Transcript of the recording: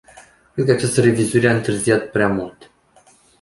Cred că această revizuire a întârziat prea mult.